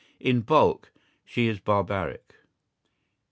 In bulk, she is barbaric.